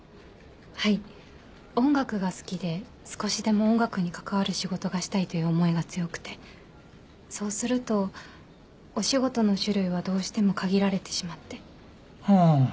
はい音楽が好きで少しでも音楽に関わる仕事がしたいという思いが強くてそうするとお仕事の種類はどうしても限られてしまってはあ